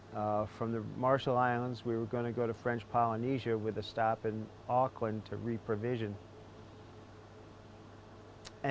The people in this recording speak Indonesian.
dari pulau marshall kita akan pergi ke polonesia perancis dengan berhenti di auckland untuk memperbaiki pengurusan